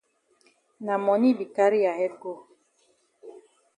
Na moni be carry ya head go.